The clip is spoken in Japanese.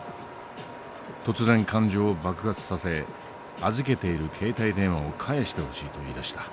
突然感情を爆発させ「預けている携帯電話を返してほしい」と言いだした。